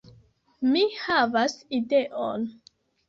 Mi havas ideon